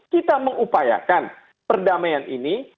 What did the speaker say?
kita mengupayakan perdamaian ini